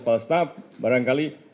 pak staf barangkali